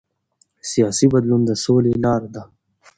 سیاسي بدلون د سولې لاره ده